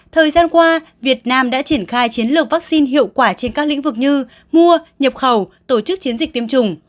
thời gian qua việt nam đã triển khai chiến lược vaccine hiệu quả trên các lĩnh vực như mua nhập khẩu tổ chức chiến dịch tiêm chủng